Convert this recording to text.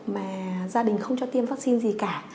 mà gia đình không cho tiêm vaccine gì cả